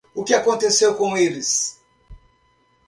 O que acontece com eles?